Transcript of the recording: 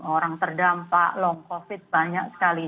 orang terdampak long covid banyak sekali